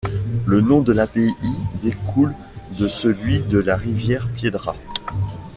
Le nom de l'abbaye découle de celui de la rivière Piedra.